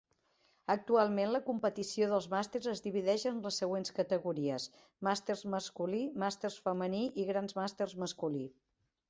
Actualment, la competició dels Masters es divideix en les següents categories: Masters masculí, Masters femení i Grandmasters masculí.